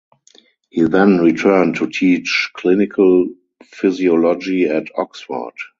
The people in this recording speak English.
He then returned to teach clinical physiology at Oxford.